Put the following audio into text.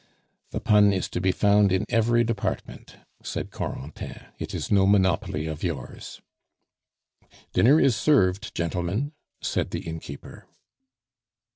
"The pun is to be found in every department," said Corentin; "it is no monopoly of yours." "Dinner is served, gentlemen," said the innkeeper.